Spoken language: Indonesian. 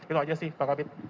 itu aja sih pak kabit